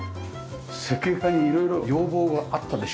設計家に色々要望があったでしょ？